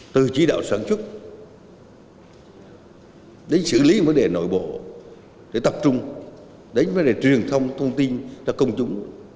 từ chỉ đạo sản xuất đến xử lý vấn đề nội bộ để tập trung đến vấn đề truyền thông thông tin cho công chúng